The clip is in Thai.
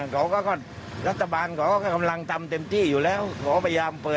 เขาก็รัฐบาลเขาก็กำลังทำเต็มที่อยู่แล้วเขาก็พยายามเปิด